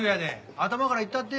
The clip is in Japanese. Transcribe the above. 頭からいったって。